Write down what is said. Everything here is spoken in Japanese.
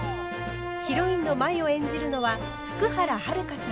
ヒロインの舞を演じるのは福原遥さん。